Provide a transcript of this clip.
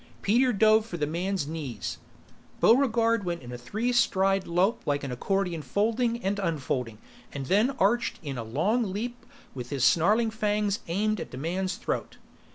Peter dove for the man's knees, Buregarde went in a three stride lope like an accordion folding and unfolding and then arched in a long leap with his snarling fangs aimed at the man's throat.